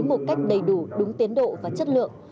một cách đầy đủ đúng tiến độ và chất lượng